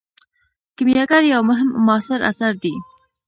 کیمیاګر یو مهم معاصر اثر دی.